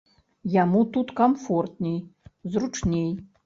Яму тут камфортней, зручней.